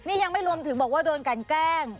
นี่ยังไม่รวมถึงบอกว่าโดนกันแกล้ง